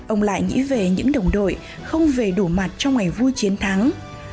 ông lại nghĩ về những đồng đội không về đủ mặt trong ngày vui chiến thắng